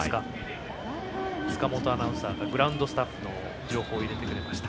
塚本アナウンサーがグラウンドスタッフの情報を入れてくれました。